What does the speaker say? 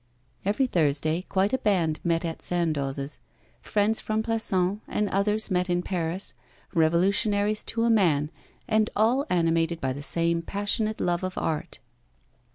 Every Thursday, quite a band met at Sandoz's: friends from Plassans and others met in Paris revolutionaries to a man, and all animated by the same passionate love of art.